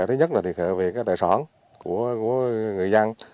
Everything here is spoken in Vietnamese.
thứ nhất là thiệt hại về tài sản của người dân